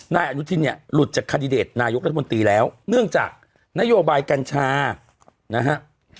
นายอนุทินเนี่ยหลุดจากคาดิเดตนายกรัฐมนตรีแล้วเนื่องจากนโยบายกัญชานะฮะ